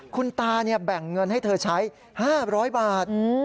คุณตาแบ่งเงินให้เธอใช้๕๐๐บาท